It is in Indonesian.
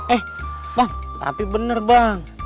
eh bang tapi benar bang